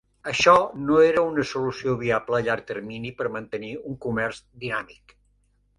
Això no era una solució viable a llarg termini per mantenir un comerç dinàmic.